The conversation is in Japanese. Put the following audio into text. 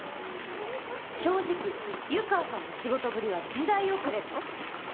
正直湯川さんの仕事ぶりは時代遅れです。